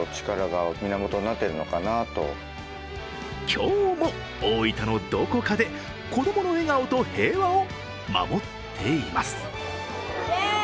今日も大分のどこかで子供の笑顔と平和を守っています。